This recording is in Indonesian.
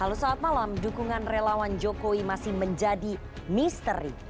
halo saat malam dukungan relawan jokowi masih menjadi misteri